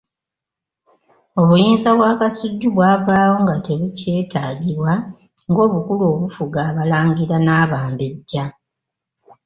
Obuyinza bwa Kasujju bwavaawo nga tebukyetaagibwa nga obukulu obufuga abalangira n'abambejja.